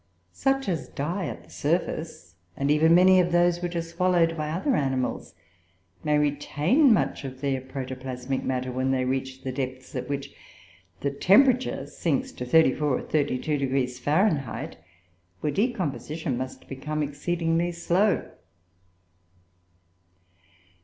Such as die at the surface, and even many of those which are swallowed by other animals, may retain much of their protoplasmic matter when they reach the depths at which the temperature sinks to 34° or 32° Fahrenheit, where decomposition must become exceedingly slow.